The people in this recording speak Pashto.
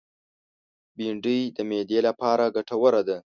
بېنډۍ د معدې لپاره ګټوره ده